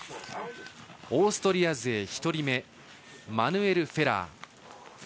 オーストリア勢１人目マヌエル・フェラー。